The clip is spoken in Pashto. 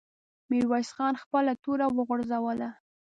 ميرويس خان خپله توره وغورځوله.